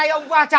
thằng này ra